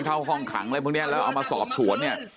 เข้าห้องขังอะไรพวกนี้แล้วเอามาสอบสวนเนี่ย